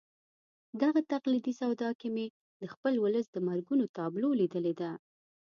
دغه تقلیدي سودا کې مې د خپل ولس د مرګونو تابلو لیدلې ده.